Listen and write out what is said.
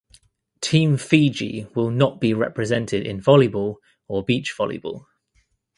Team Fiji will not be represented in volleyball or beach volleyball.